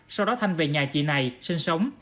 sau đó thanh về nhà chị này sinh sống